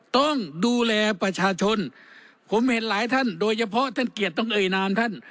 ต้องดูแลประชาชนผมเห็นหลายท่านโดยเฉพาะท่านเกียรติต้องเอ่ยนามท่าน